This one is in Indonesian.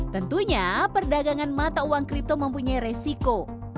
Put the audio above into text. tentunya perdagangan mata uang kripto mempunyai resiko